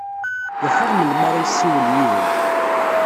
Iḥar melmi ara yessiwel yid-m.